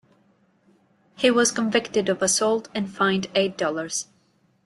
He was convicted of assault, and fined eight dollars.